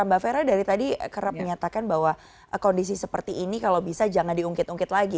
mbak fera dari tadi kerap menyatakan bahwa kondisi seperti ini kalau bisa jangan diungkit ungkit lagi